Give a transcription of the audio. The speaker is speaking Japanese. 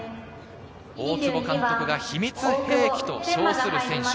大坪監督が秘密兵器と称する選手。